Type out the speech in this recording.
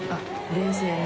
冷静に？